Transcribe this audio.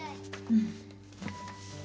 うん。